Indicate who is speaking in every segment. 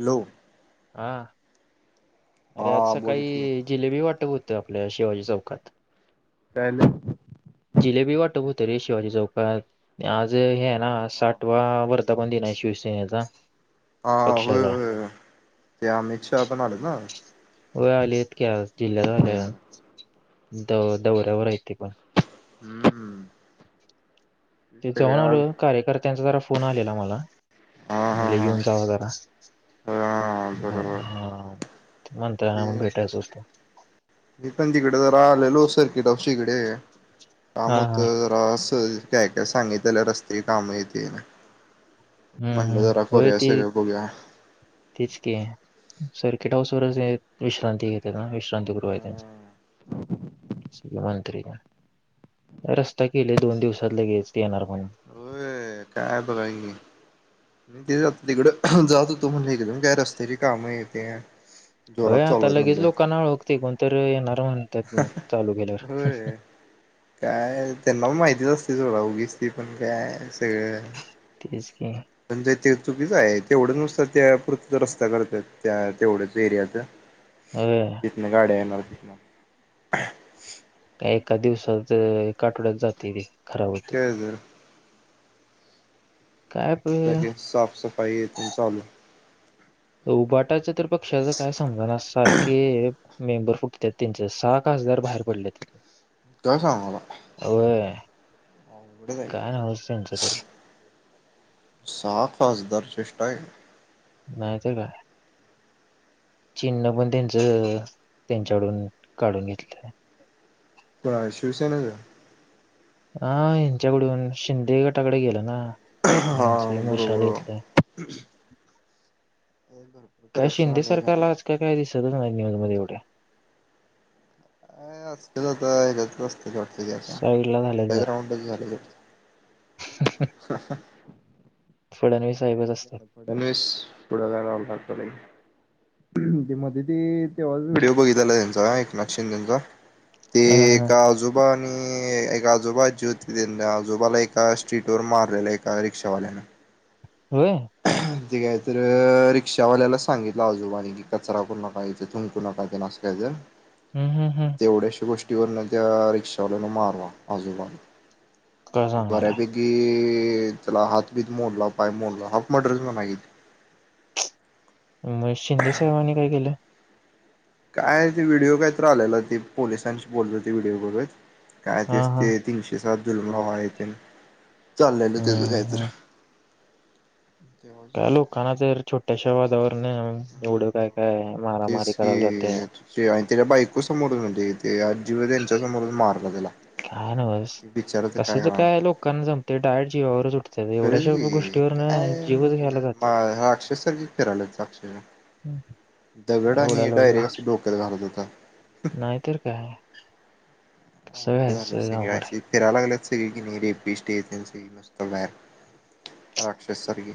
Speaker 1: Hello.
Speaker 2: हा. अरे आज
Speaker 1: हा बोल की
Speaker 2: सकाळी जिलेबी वाटप होतं. आपल्या शिवाजी चौकात.
Speaker 1: काय झालं?
Speaker 2: जिलेबी वाटप होत रे शिवाजी चौकात. आज हे ना साठवा वर्धा पन दिन आहे शिवसेनेचा.
Speaker 1: हा. होय,
Speaker 2: पक्षाचा
Speaker 1: होय, होय. ते अमित शहा पण आलेत ना?
Speaker 2: व्हय आलेत की आज जिल्ह्यात आल्यात. द दौऱ्यावर आहेत ते.
Speaker 1: हम्म.
Speaker 2: ते जाऊन
Speaker 1: सगळ्या
Speaker 2: आलो कार्यकर्त्यांचा जरा फोन आलेला मला.
Speaker 1: हा हा
Speaker 2: म्हणले
Speaker 1: हा
Speaker 2: येऊन जावा जरा.
Speaker 1: हा
Speaker 2: ब
Speaker 1: बरोबर
Speaker 2: हा. मंत्र्यांना पण
Speaker 1: ते
Speaker 2: भेटायचं होतं.
Speaker 1: मी पण इकडं जरा आलेलो सर्किट हाऊसच्या इकडे काम
Speaker 2: हा हा
Speaker 1: होतं ‌ [inaudible] काय काय सांगितल्या रस्ते. कामे तेन.
Speaker 2: हम्म
Speaker 1: म्हणलं
Speaker 2: हम्म
Speaker 1: जरा
Speaker 2: होय
Speaker 1: करुया
Speaker 2: ते
Speaker 1: सगळ बघुया.
Speaker 2: तेच की. सर्किट हाऊस वरच विश्रांती घेत ना वि [inaudible] श्रांतीगृह [inaudible] आहे त्यांचं. मंत्री. रस्ता केले दोन दिवसात लगेच येणार म्हणून.
Speaker 1: होय. काय बघा की. ते जात तिकडं जात होतो म्हणे एकदम काय रस्त्याची काम हे ते.
Speaker 2: होय आता लगेच लोकाना वळकतय कोणतरी येणार म्हणतात मग चालू केेल्यावर.
Speaker 1: होय काय त्यांना पण माहितीच असते सोडा. उगीच ती पण काय सगळं
Speaker 2: तेच की.
Speaker 1: म्हणज ते चुकीचं आहे. तेवढं नुसतं त्या पुढचं रस्ता करत्यात त्या तेवढंच एरियाच.
Speaker 2: हय.
Speaker 1: [inaudible] नाही गाड्या
Speaker 2: काय एका दिवसाच [inaudible] एका आठवड्यात [inaudible] जातय होय.
Speaker 1: त्याज.
Speaker 2: काय प
Speaker 1: लगेच साफसफाई हे ते चालू.
Speaker 2: उबाटाच्या तर पक्षाचं काय समजना सारखे मेंबर फुटत्यात त्यांची सहा खासदार बाहेर पडलेत.
Speaker 1: काय सांगालायस?
Speaker 2: होय. काय नव्हच त्यांचं तरी
Speaker 1: सहा खासदार चेष्टा हाय काय.
Speaker 2: नाही तर काय? चिन्ह पण त्यांच त्यांच्याकडून काढून घेतलेल.
Speaker 1: कोणाच शिवसेनेच?
Speaker 2: हां ह्यांच्याकडून शिंदे गटाकड गेल ना.
Speaker 1: हा
Speaker 2: यांचे मशाल
Speaker 1: बरोबर
Speaker 2: घेतलं
Speaker 1: बरोबर करप्शन आहे.
Speaker 2: सला आजकाल काय दिसतच नाही न्यूज मध्ये एवढ्या.
Speaker 1: काय असत्यात आता एकत्र.
Speaker 2: साईडला झाल्यात
Speaker 1: अंडर
Speaker 2: जरा
Speaker 1: ग्राउंडच झाल.
Speaker 2: फडणवीस साहेबच असतात
Speaker 1: फडणवीस पुढ काय रावला [unintelligible] लागतला नाही. ते मध्ये ते तेव्हाच व्हिडिओ बघितलेला त्यांचा एकनाथ शिंदेचा. ते
Speaker 2: हा हा
Speaker 1: का आजुक बा आणि एक आजोबा आणि आजी होती. त्यांनी आजोबाला एका स्ट्रीट वर मारलेल एका रिक्षावाल्यान.
Speaker 2: होय.
Speaker 1: ते काय तर रिक्षावाल्याला सांगितल आजोबांनी कि कचरा करु नका इथ थुंकू नका तेन अस. य
Speaker 2: हम्म हम्म हम्म
Speaker 1: तेवढ्याश्या गोष्टीवरन त्या रिक्षावाल्यान मारल आजोबांना.
Speaker 2: काय सांगालाय
Speaker 1: बऱ्यापैकी त्याला हात बीत मोडला, पाय मोडला, हाफ मडरच म्हणा की तै.
Speaker 2: मग शिंदेसाहेबांनी काय केल?
Speaker 1: काय ते व्हिडिओ काहीतर आलेला ते पोलिसांशी बोलत होते व्हिडिओ बघत काय
Speaker 2: हा
Speaker 1: तेच
Speaker 2: हा
Speaker 1: ते. तीनशे सात [unintelligible] येत चाललेल
Speaker 2: हम्म
Speaker 1: त्याच काहीतरी.
Speaker 2: हम्म काय लोकांना तर छोट्याश्या वादावरन एवढ काय काय मारामारी
Speaker 1: तेच
Speaker 2: करायला
Speaker 1: की
Speaker 2: जातात.
Speaker 1: [unintelligible] आणि त्याच्या बायको समोर म्हणजे ते आजी होत्या त्यांच्या समोरच मारल त्याला
Speaker 2: काय नव्हच
Speaker 1: बिचारा ते काय.
Speaker 2: लोकांना जम ते डायरेक्ट जीवावर च उठले.
Speaker 1: खरच की काय म्हणजे
Speaker 2: घ्यायला जातात
Speaker 1: राक्षससारखे फिरालेत अक्षरशः.
Speaker 2: हम्म
Speaker 1: दगड
Speaker 2: एवढ्या
Speaker 1: आणि डायरेक्ट असा डोक्यात घालत होता.
Speaker 2: नाही तर काय. कसं
Speaker 1: अवघड झालय
Speaker 2: व्हायचं
Speaker 1: सगळ
Speaker 2: अवघड आहे
Speaker 1: अशी फिरायला लागलेत सगळे की नाही रेपीस्ट हे ते सगळे मस्त बाहेर. राक्षस सारखे.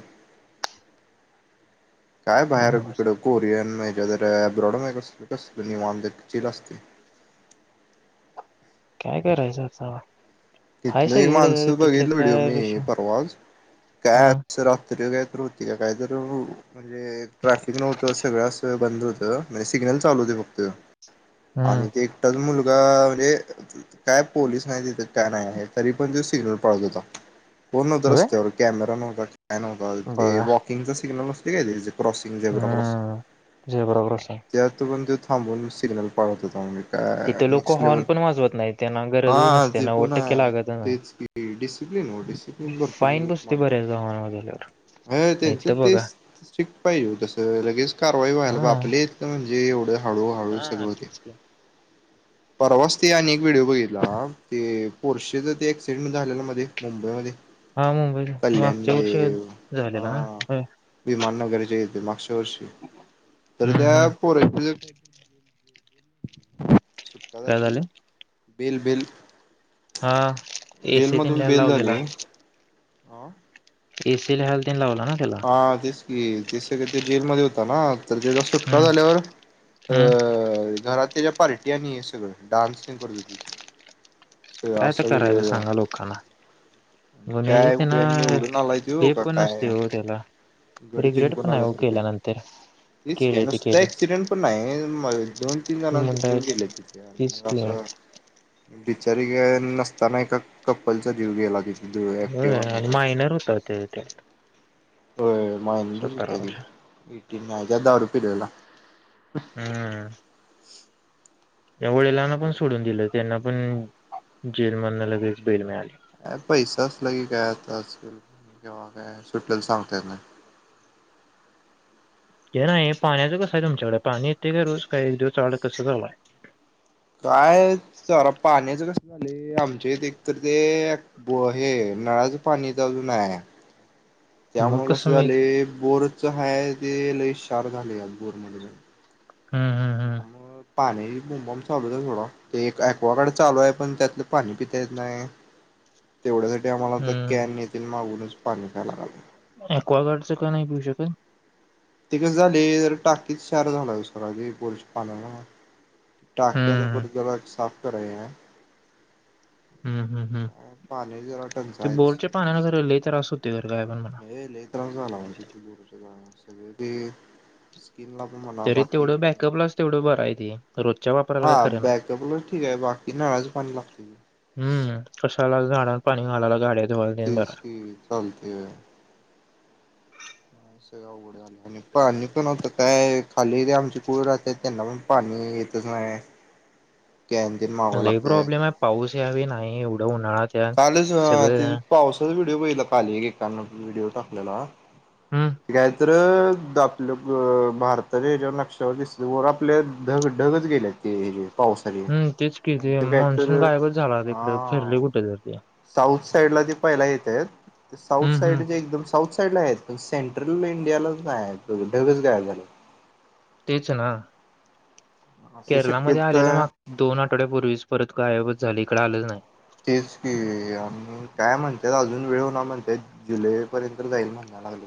Speaker 1: काय बाहेर तीकड कोरियन, [unintelligible] अब्रॉड कस. कसल निवांत [unintelligible] असती.
Speaker 2: काय करायच [unintelligible]
Speaker 1: तिथल एक माणसाचा बघितला व्हिडिओ
Speaker 2: काय
Speaker 1: मी
Speaker 2: ऋषू
Speaker 1: परवा
Speaker 2: हा
Speaker 1: काय [unintelligible] तरी काय तर होती का काहीतरी म्हणजे ट्रॅफिक नव्हत सगळ अस बंद होत. म्हणजे सिग्नल चालू होते फक्त आणि
Speaker 2: हम्म
Speaker 1: ते मुलगा म्हणजे काय पोलीस नाही तिथ. काय नाही आहे तरी पण तो सिग्नल पाळत होता, कोण नव्हत
Speaker 2: व्हय
Speaker 1: रस्त्यावर कॅमेरा नव्हता. काय नव्हता [unintelligible] ते
Speaker 2: बघा
Speaker 1: वॉकिंग चा सिग्नल नसतो काय त्यांचात. क्रॉसिंग झेब्रा क्रॉसिंग
Speaker 2: हम्म तुझ्या बरोबर आहे
Speaker 1: त्यातून पण त्यो थांबून सिग्नल पाळत
Speaker 2: तिथे लोक हॉर्न
Speaker 1: होता.
Speaker 2: पण वाजवत नाही त्यांना
Speaker 1: [unintelligible]
Speaker 2: गरजच
Speaker 1: हां
Speaker 2: नसते
Speaker 1: ते
Speaker 2: नव्वद टक्के
Speaker 1: हां
Speaker 2: लागत नाही
Speaker 1: तेच कि डिसिप्लिन हो डिसिप्लन भरपूर
Speaker 2: फाईन
Speaker 1: खूप
Speaker 2: बसते
Speaker 1: महत्वाच.
Speaker 2: बऱ्याचदा हॉर्न वाजवल्यावर
Speaker 1: अ त्यांच
Speaker 2: इथं बघा
Speaker 1: तेच स्ट्रिक्ट पाहिजे तस लगेच कारवाई व्हायला
Speaker 2: हा
Speaker 1: आपलेत. म्हणजे एवढ हाळू हाळू
Speaker 2: हा
Speaker 1: सुरू होती.
Speaker 2: तेच की
Speaker 1: परवाच ते आणि एक व्हिडिओ बघितलाना ते. पोरशच ते क्सिडेंट झाल ना मध्ये मुंबईमध्ये.
Speaker 2: हा मुंबई मागच्या
Speaker 1: कल्याणले
Speaker 2: वर्षी झालेला
Speaker 1: विमान [inaudible] येते मागच्या वर्षी तर
Speaker 2: हम्म
Speaker 1: त्या
Speaker 2: हम्म
Speaker 1: पोरा सुटका
Speaker 2: काय
Speaker 1: झाली
Speaker 2: झाले
Speaker 1: बिल बिल
Speaker 2: हा एसी तेन लिहायला लावलेला
Speaker 1: हां
Speaker 2: एसी लिहायला तेन लावला ना त्याला
Speaker 1: हा तेच की ते [inaudible] जेलमध्ये होत ना तर ते सुटका
Speaker 2: हम्म
Speaker 1: झाल्यावर
Speaker 2: हम्म
Speaker 1: अं घरात त्याच्या पार्टी आणि हे सगळं डान्स तेन करत होतीत
Speaker 2: काय आता करायचं सांगा आता लोकांना
Speaker 1: म्हणजे
Speaker 2: गुन्ह्यांची
Speaker 1: काय
Speaker 2: त्यांना
Speaker 1: कुठे निवडून आलाय तो
Speaker 2: हे
Speaker 1: का
Speaker 2: पण नसतय
Speaker 1: काय
Speaker 2: हो त्याला
Speaker 1: गड
Speaker 2: रिगरेट
Speaker 1: जिंकून
Speaker 2: पण नाही हो
Speaker 1: आल्यासारखे
Speaker 2: केल्या नंतर
Speaker 1: तेच की का नुसतं ऍक्सिडेंट पण नाही दोन तीन जणांचा
Speaker 2: म्हणलं
Speaker 1: जीव गेले तिथे
Speaker 2: तीच
Speaker 1: आणि
Speaker 2: की
Speaker 1: असं
Speaker 2: [unintelligible]
Speaker 1: बिचारी नसताना एका कपलचा जीव गेला तिथं
Speaker 2: हो आणि मायनर होता [inaudible]
Speaker 1: हो मायनर
Speaker 2: सतरा वर्षाचा
Speaker 1: होता की [inaudible] दारू पिल्याला
Speaker 2: हम् वडिलांना पण सोडून दिलं त्यांना पण जेलमधन लगेच बेल मिळाली
Speaker 1: पैसा असला की काय आता आजकाल केव्हा काय सुटेल सांगता येत नाय
Speaker 2: ते नाही पाण्याचं कसं आहे तुमच्याकडं पाणी येतंय का रोज काही [inaudible] कसं चालु हाय
Speaker 1: काय चरा पाण्याचं कस झालंय आमच्या इथं एकतर ते बोहे नळाचं पाणी इथं अजून नाय
Speaker 2: मग
Speaker 1: त्यामुळे कसं
Speaker 2: मी
Speaker 1: झालंय बोरच हाय ते लई क्षार झालंय बोरमध्ये पण
Speaker 2: हम्म हम्म हम्म
Speaker 1: [unintelligible] पाण्याची बोंबाबोंब चालूच आहे सोडा ते एक एक्वागार्ड चालू आहे पण त्यातलं पाणी पिता येत नाही तेवढ्यासाठी आम्हांला आता कॅन
Speaker 2: हम्म
Speaker 1: हे तेन मागवूनच पाणी प्यायला लागलंय
Speaker 2: एक्वागार्डचं का नाही पिऊ शकत
Speaker 1: ते कस झालंय जरा टाकीत क्षार झालंय ओ सगळा बोर च्या पाण्यामुळं टाक्या
Speaker 2: हम्म
Speaker 1: [inaudible] साफ करायची हाय
Speaker 2: हम्म हम्म हम् ते
Speaker 1: टंचाई आहेच.
Speaker 2: बोरच्या पाण्यानं जरा लय त्रास होतय जर काय पण म्हणा
Speaker 1: लई लई त्रास झाला बोर च्या पाण्याने सगळं ते किनला [inaudible]
Speaker 2: तरी
Speaker 1: बाकी
Speaker 2: तेवढं
Speaker 1: इकडं
Speaker 2: बॅकअपलाच तेवढं बर आहे ते रोजच्या वापर
Speaker 1: हा बॅकअपला ठीक आहे बाकी नळाच पाणी लागतंय की
Speaker 2: हम्म कशाला झाडला पाणी घालायला गाड्या धुवायला तेन बरंय
Speaker 1: कोणती सगळ अवघड झालं आणि पाणी पण होत काय खाली तेे आमचे कुळ राहत्यात त्यांना पण पाणी येतंच नाही क्यांदल मा
Speaker 2: लई प्रॉब्लेम आहे पाऊस ह्यावेळी नाही एवढं उन्हाळ्यात या
Speaker 1: चालूचं व्ह
Speaker 2: सगळे
Speaker 1: तील पावसाचा व्हिडिओ बघितला काल एकानं व्हिडिओ टाकलेला,
Speaker 2: हम्म
Speaker 1: काय तर त आपलं भारताच्या ह्याच्यावर नक्षावर दिसलं, वर आपल्या ढग, ढगच गेल्या ते पाऊसा नी
Speaker 2: हम्म तेच की
Speaker 1: आणि
Speaker 2: ते
Speaker 1: तिथे काय तर,
Speaker 2: मान्सून गायबच झाला तिकडं फिरले
Speaker 1: हा
Speaker 2: कुठे दरती या
Speaker 1: साऊथ साईड ला ते पहियला येतंय, ते साऊथ
Speaker 2: हम्म
Speaker 1: साईड
Speaker 2: हम्म
Speaker 1: च्या एकदम साऊथ साईड ला आहेत, पण सेंट्रल व्हीव् इंडियालाच नाही आहेत ढगच गायब झालेत.
Speaker 2: तेच ना,
Speaker 1: असू
Speaker 2: केरला मध्ये
Speaker 1: शक्यत
Speaker 2: आलेला माग दोन आठवड्यापूर्वीच परत गायबच झाली इकडं आलंच नाय.
Speaker 1: तेच की, आन् काय म्हणत्यात अजून वेळ ना म्हणत्यात जुलै पर्यंत जाईल म्हणाय लागले.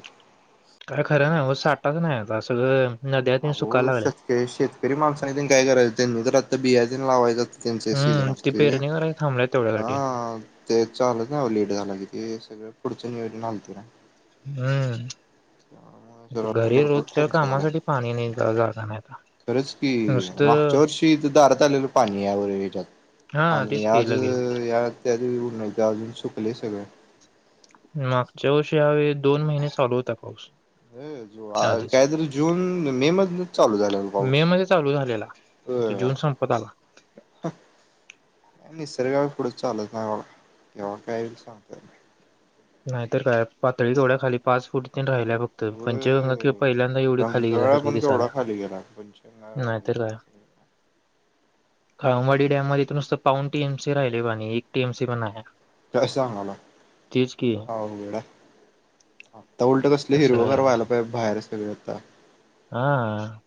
Speaker 2: काय खरं नाय म साठाच नाही आता सगळं नद्या तेन
Speaker 1: अहो,
Speaker 2: सुकायला लागल्यात
Speaker 1: शेतकरी- शेतकरी माणसांन त्यानी काय करायचं, त्यांनी तर आता बिया तेन लावायचं त्यांचे सीजन
Speaker 2: हम्म ती
Speaker 1: असतोय,
Speaker 2: पेरणी कराय थांबल्यात तेवढ्यासाठी
Speaker 1: हा ते चालत नाही ना लेट झालं कि ते सगळं पुढचं नियोजन हलतयं ना.
Speaker 2: हम्म,
Speaker 1: [unintelligible]
Speaker 2: घरी
Speaker 1: भरपूर
Speaker 2: रोजच्या
Speaker 1: टंचाई झाल्या.
Speaker 2: कामासाठी पाणी नाही जागा नाहीता.
Speaker 1: खरंच की मागच्या वर्षी तर दारात आलेलं पाणी या वरे हच्यात.
Speaker 2: हा
Speaker 1: आणि
Speaker 2: तेच की
Speaker 1: आज
Speaker 2: लगेच
Speaker 1: या त्या अजून सुकलंय सगळ.
Speaker 2: मागच्या वर्षी ह्या वेळी दोन महिने चालू होता पाऊस.
Speaker 1: हम, जु
Speaker 2: आधीच
Speaker 1: काहीतरी जून, मे मधंनच चालू झालेला पाऊस.
Speaker 2: लेला, आता जुन संपत आला.
Speaker 1: हं निसर्गा पुढं चालत नाही बा केव्हा काय होईल सांगता येत नाही.
Speaker 2: नाही तर काय पातळी केवढ्या खाली पाच फूट तेन राहिल्या फक क्त
Speaker 1: नाही
Speaker 2: पंचगंगा की
Speaker 1: होय
Speaker 2: पहिल्यांदा एवढी खाली
Speaker 1: रंकाळा
Speaker 2: गेल्यासारख्या
Speaker 1: पण केवढा
Speaker 2: दिसायल्या
Speaker 1: खाली गेला पंचगंगा
Speaker 2: नाही तर अ काळमळी डॅम मध्यी त नुसतं पाऊन टी एम सी राहिले पाणी, एक टी एम सी पण नाही.
Speaker 1: काय सांगालाय?
Speaker 2: तेच की
Speaker 1: अवघड हाय. आता उलटं कसलं हिरवं
Speaker 2: कसं
Speaker 1: गार व्हायला पाहिजे बाहेर सगळं आता.
Speaker 2: हा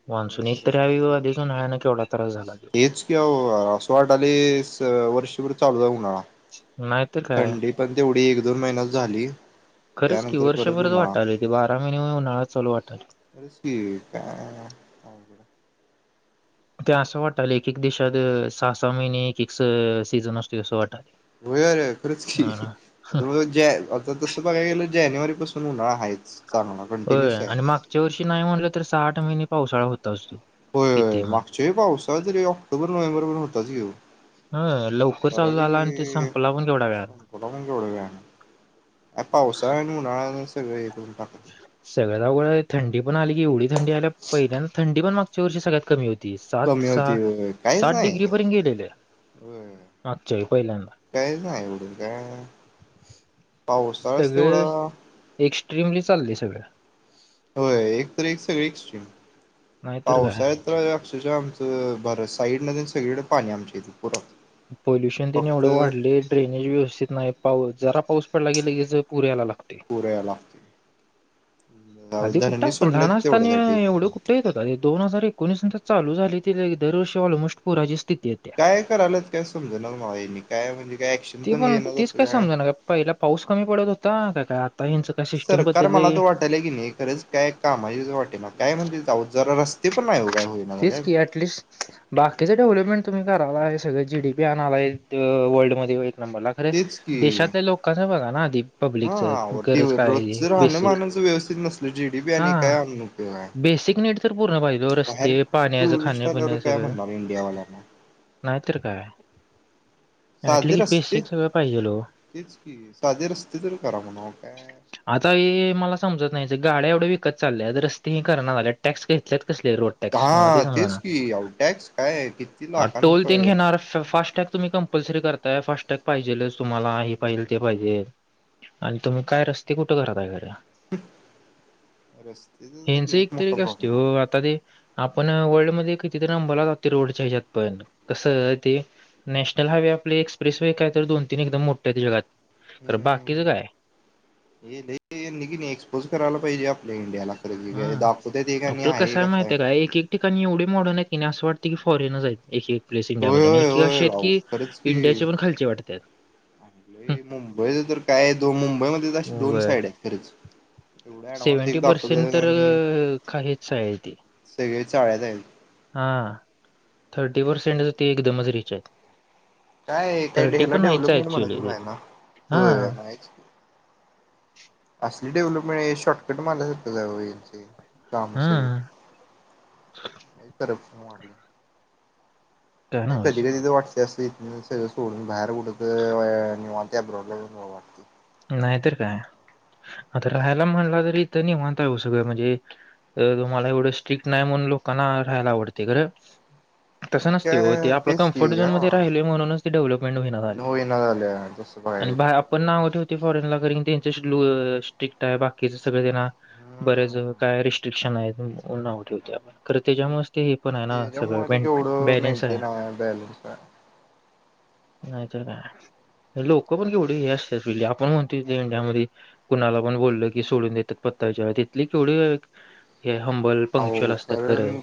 Speaker 2: मान्सून एकतर ह्यवेळी,
Speaker 1: नेचर
Speaker 2: आधीच उन्हाळ्यानं केवढा त्रास झाला.
Speaker 1: तेच कि आओ असं वाटायलंय वर्षभर चालूचं आहे उन्हाळा.
Speaker 2: नाहीत क
Speaker 1: थंडी पण तेवढी एक, दोन महिनाच झाली.
Speaker 2: खरंच की
Speaker 1: त्यानंतर परत
Speaker 2: वर्षभरच
Speaker 1: उन्हाळा.
Speaker 2: वाटायलंय ते बारा महिने उन्हाळा चालू वाटल.
Speaker 1: खरंच की काय, अवघड हाय.
Speaker 2: ते असं वाटालंय एक- एक देशात सहा- सहा महिने एक- एक स सीझन असतोय असं वाटायले.
Speaker 1: होय, अरे खरंच की आता बघ ते हाये आता तसं बघायला गेलं जानेवारी पासून उन्हाळा हायचं.
Speaker 2: होय आणि मागच्या वर्षी नाही म्हणलं तर सहा, आठ महिने पावसाळा होताच तो. किती
Speaker 1: म्हणजे पावसाळा जरी ऑक्टोबर, नोव्हेंबर पर्यंत होताच की ओ.
Speaker 2: हं लवकर चालू झाला आणि ते
Speaker 1: बऱ्यापैकी
Speaker 2: संपला पण केवढ्या वेळात.
Speaker 1: संपला पण केवढ्या वेळानी, ह्या पावसाळा आणि उन्हाळ्यानी सगळं हे करून टाकलं.
Speaker 2: सगळ्यात अवघड हाय थंडी पण आली की एवढी थंडी आल्या पहिल्यांदा थंडी पण मागच्या वर्षी सगळ्यात कमी होती. ती सात
Speaker 1: कमी
Speaker 2: सहा
Speaker 1: होती होय काहीच
Speaker 2: सात
Speaker 1: नाही
Speaker 2: डिग्री पर्यंत गेलेले
Speaker 1: होय
Speaker 2: मागच्या वेळी पहिल्यांदा
Speaker 1: काहीच नाही एवढं काय पावसाळाच
Speaker 2: सगळे
Speaker 1: तेवढं
Speaker 2: एक्स्ट्रीमली चाललय सगळं
Speaker 1: होय एक तर एक सगळी एक्स्ट्रीम
Speaker 2: नाहीतर काय
Speaker 1: पावसाळ्यात अक्षरशः आमच बराच साईडन तेन सगळीकडे पाणी आमच्या इथे पुढं
Speaker 2: पोल्युशन तेन एवढं वाढलय ड्रेनेज व्यवस्थित नाही जरा पाऊस पडला की लगेच पुर यायला लागतोय
Speaker 1: पूर यायला लागतोय
Speaker 2: आधी कुठ
Speaker 1: धरणे
Speaker 2: आपण
Speaker 1: सोडल्यात
Speaker 2: लहान असताना
Speaker 1: तेवढ्यासाठी
Speaker 2: एवढं कुठ येत होता रे दोन हजार एकोणवीस नंतर चालू झाली ते दरवर्षी ऑलमोस्ट पुराची स्थिती येते
Speaker 1: काय कराल्यात काय समजना मला ह्यांनी काय म्हणजे काय ऍक्शन
Speaker 2: ती पण तीच काय समजा काय पहिला पाऊस कमी पडत होता का काय यांचं काय सिस्टीम
Speaker 1: सरकार
Speaker 2: बदलले
Speaker 1: मला तर वाटालय कनी खरंच काय कामाचे वाटेना काय म्हणजे काय ओ जरा रस्ते पण नाही ओ काय होत
Speaker 2: तेच की ऍटलिस्ट बाकीचं डेव्हलपमेंट तुम्ही करालाय सगळं जी डी पी आणलाय आहे वर्ल्डमध्ये एक नंबरला अरे
Speaker 1: तेच की
Speaker 2: देशातल्या लोकांच बघा ना आधी पब्लिक
Speaker 1: हा
Speaker 2: च
Speaker 1: अहो
Speaker 2: गरज काय आहे बेसिक
Speaker 1: जी डी पी
Speaker 2: हा
Speaker 1: आणि काय आणून उपयोग हाय
Speaker 2: बेसिक नीड तर पूर्ण पाहिजेत ओ रस्ते पाण्याचं
Speaker 1: टुरिस्ट आल्यावर
Speaker 2: खाण्यापिण्याच
Speaker 1: काय
Speaker 2: सगळं
Speaker 1: म्हणणार इंडियावाल्यांना
Speaker 2: नाहीतर काय ऍटली
Speaker 1: साधी
Speaker 2: की
Speaker 1: रस्ते
Speaker 2: बेसिक सगळं पाहिजे हो.
Speaker 1: तेच कि साधी रस्ते तर करा म्हणाव काय
Speaker 2: आता हे मला समजत नाही गाड्या एवढ्या विकत चालल्यात रस्ते ही करणा झाल्यात टॅक्स घेतल्यात कसले रोड टॅकस मला ते
Speaker 1: हा तेच
Speaker 2: समजना
Speaker 1: की अहो टॅक्स काय किती
Speaker 2: आता
Speaker 1: लाखाने
Speaker 2: टोल तेन घेणार फास्ट्रॅक्ट तुम्ही कम्पल्सरी करताय फास्टॅग पाहिजेलच तुम्हाला हे पाहिजे ते पाहिजे आणि तुम्ही काय रस्ते कुठे करालाय खरं
Speaker 1: हम्म
Speaker 2: ह्याचं एकतरी एक असतय ओ आता ते आपण वर्ल्ड मध्ये कितीतरी नंबरला जातोय रोडच्या ह्याच्यात पण कसं ते नॅशनल हायवे आपले एक्सप्रेस वे काय तर दोन तीन एकदम मोठ्या जगात तर
Speaker 1: हम्म
Speaker 2: बाकीचं काय
Speaker 1: हम्म हे नाही निघी नाही एक्सपोज करायला पाहिजे आपल्या इंडियाला खरंच हे
Speaker 2: हा
Speaker 1: काय दाखवत्यात एक आणि
Speaker 2: आपलं कस
Speaker 1: आहे कसं
Speaker 2: माहित आहे का एक एक ठिकाणी एवढे मॉडर्न आहेत क नाही असं वाटत फॉरेन आहेत एक एक प्लेस
Speaker 1: होय
Speaker 2: इंडियामध्ये आणि
Speaker 1: होय
Speaker 2: की अश
Speaker 1: होय
Speaker 2: आहेत
Speaker 1: अहो
Speaker 2: की
Speaker 1: खरंच की
Speaker 2: इंडियाचे पण खालचे वाटतात हं,
Speaker 1: मुंबईच तर काय दो मुंबईमध्ये तर अशी दोन साईड आहे खरच
Speaker 2: सेवनटी पर्सेंट तर काहीच आहे ते
Speaker 1: सगळी चाळ्या जाईल
Speaker 2: हा थर्टी पर्सेंटच ते एकदमच रिच आहेत
Speaker 1: काय काही ह्याला
Speaker 2: पण नाहीच आहे
Speaker 1: डेव्हलपमेंट म्हणत
Speaker 2: ॲक्चुअली ते.
Speaker 1: आहे ना होय
Speaker 2: हां,
Speaker 1: नाहो असली डेव्हलपमेंट आहे शॉर्टकट मारल्या सारखं आहे काम सगळी
Speaker 2: हं.
Speaker 1: करत नाहो
Speaker 2: काय
Speaker 1: नाही कधी
Speaker 2: नव्हच.
Speaker 1: कधी तर वाटते असते इ सगळं सोडून कुठे तरी उठत त्या प्रॉब्लेम मुळे
Speaker 2: नाहीतर काय आता राहायला म्हणलं तरी इथं निवांत आहे ओ सगळं म्हणजे तर तुम्हाला एवढं स्ट्रिक्ट नाही म्हणून लोकांना राहायला आवडते खरं तसं
Speaker 1: ते
Speaker 2: नसते हो ते
Speaker 1: काय
Speaker 2: आपलं
Speaker 1: तेच
Speaker 2: कम्फर्ट
Speaker 1: की
Speaker 2: झोन मध्ये राहिल
Speaker 1: हा
Speaker 2: म्हणूनच ते डेव्हलपमेंट होईना झाली
Speaker 1: बाहेरच ये.
Speaker 2: पण नावं ठेवते फॉरेन ला खरी. न त्यांचशी लू स्ट्रिक्ट आहे. बाकीच सगळं त्यांना बरेच
Speaker 1: हम्म
Speaker 2: काय रिस्ट्रिक्शन आहेत अं नाव ठेवते आपण. खरं तेच्यामुळेच ते हे पण आहे ना सगळं.
Speaker 1: त्याच्यामुळे ते
Speaker 2: बँक
Speaker 1: केवढं
Speaker 2: बॅलेन्सही आहे.
Speaker 1: मेंटेन बॅलन्स आहे
Speaker 2: नाही तर काय. लोक पण केवढे हे असता तिथले. आप पण म्हणतोय इथ इंडियामध्ये कुणाला पण बोलल की सोडून देतात. पत्ता विचारला तिथल केवढ हे हंबल
Speaker 1: अहो
Speaker 2: पंक्च्युअल असतात खरं.
Speaker 1: कारण